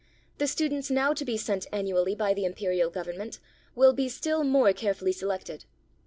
The students now to be sent annually by the Imperial Government will be still more carefully selected.